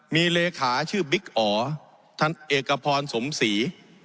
มีเลขาชื่อบิ๊กอ๋อท่านเอกพรสมศรี